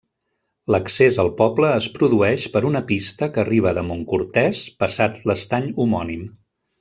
L’accés al poble es produeix per una pista que arriba de Montcortès passat l’estany homònim.